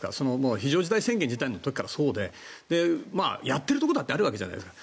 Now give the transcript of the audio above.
非常事態宣言の時からそうでやっているところだってあるわけじゃないですか。